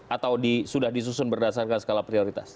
atau sudah disusun berdasarkan skala prioritas